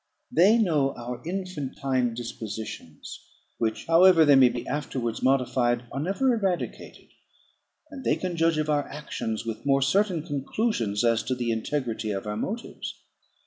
They know our infantine dispositions, which, however they may be afterwards modified, are never eradicated; and they can judge of our actions with more certain conclusions as to the integrity of our motives.